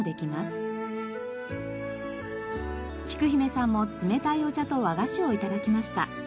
きく姫さんも冷たいお茶と和菓子を頂きました。